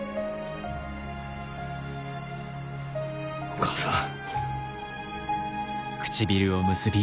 お義母さん。